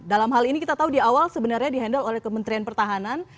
dalam hal ini kita tahu di awal sebenarnya di handle oleh kementerian pertahanan